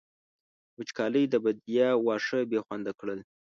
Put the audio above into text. وچکالۍ د بېديا واښه بې خونده کړل.